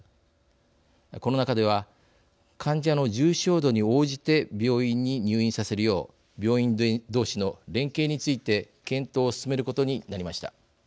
この中では患者の重症度に応じて病院に入院させるよう病院同士の連携について検討を進めることになりました。